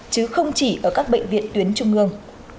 chứ không chỉ ở các bệnh viện tuyến trung ương